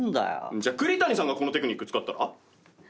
じゃあ栗谷さんがこのテクニック使ったら？